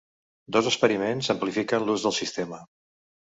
Dos experiments exemplifiquen l'ús del sistema.